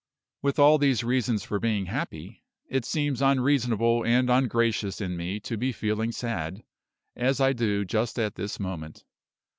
With all these reasons for being happy, it seems unreasonable and ungracious in me to be feeling sad, as I do just at this moment.